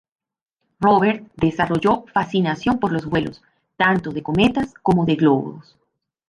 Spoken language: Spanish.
Robert desarrolló fascinación por los vuelos, tanto de cometas como de globos.